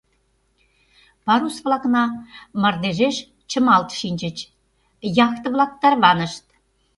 Парус-влакна мардежеш чымалт шинчыч, яхте-влак тарванышт.